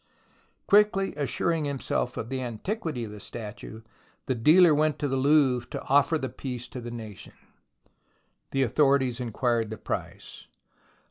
Quickly assuring himself of the antiquity of the statue, the dealer went to the Louvre to offer the piece to the nation. The authorities inquired the price.